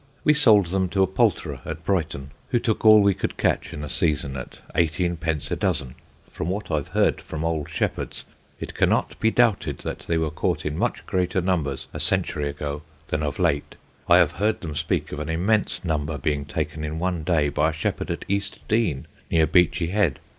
We sold them to a poulterer at Brighton, who took all we could catch in a season at 18_d._ a dozen. From what I have heard from old shepherds, it cannot be doubted that they were caught in much greater numbers a century ago than of late. I have heard them speak of an immense number being taken in one day by a shepherd at East Dean, near Beachy Head.